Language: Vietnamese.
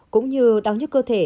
cũng như đau nhức cơ thể